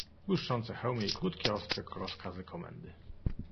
"Błyszczące hełmy i krótkie, ostre rozkazy komendy."